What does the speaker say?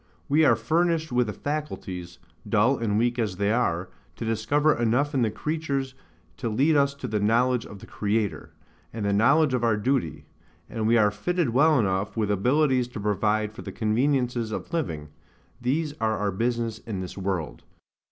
We are furnished with faculties (dull and weak as they are) to discover enough in the creatures to lead us to the knowledge of the Creator, and the knowledge of our duty; and we are fitted well enough with abilities to provide for the conveniences of living: these are our business in this world.